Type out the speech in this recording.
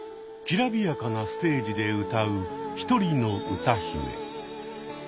きらびやかなステージで歌う１人の歌姫。